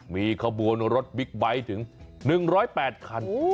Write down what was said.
มีขบวนรถบิ๊กไบท์ถึง๑๐๘คัน